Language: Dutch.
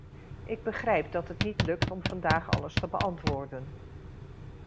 Ik begrijp dat het niet lukt om vandaag alles te beantwoorden.